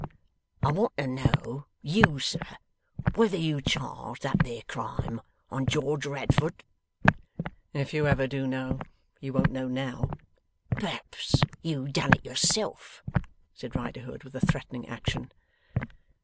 I want to know, you sir, whether you charge that there crime on George Radfoot?' 'If you ever do know, you won't know now.' 'Perhaps you done it yourself?' said Riderhood, with a threatening action.